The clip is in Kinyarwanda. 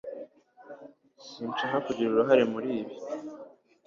Sinshaka kugira uruhare muri ibi